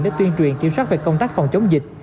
để tuyên truyền kiểm soát về công tác phòng chống dịch